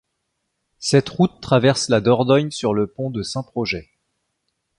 Cette route traverse la Dordogne sur le pont de Saint-Projet.